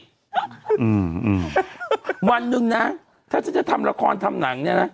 อืมวันหนึ่งนะถ้าฉันจะทำละครทำหนังเนี่ยนะ